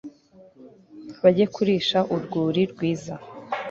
bajye kurisha urwuri rwiza